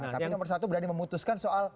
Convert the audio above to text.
tapi nomor satu berani memutuskan soal